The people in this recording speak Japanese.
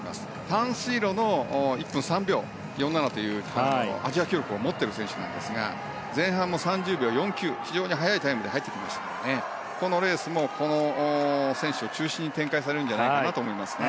短水路の１分３秒４７というアジア記録を持っている選手なんですが前半も３０秒４９非常に速いタイムで入ってきましたからこのレースもこの選手を中心に展開されるんじゃないかと思いますね。